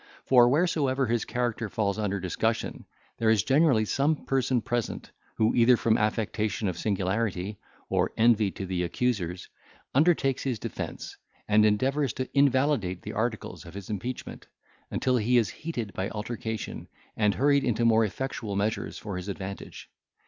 For wheresoever his character falls under discussion there is generally some person present, who, either from an affectation of singularity, or envy to the accusers, undertakes his defence, and endeavours to invalidate the articles of his impeachment, until he is heated by altercation, and hurried into more effectual measures for his advantage.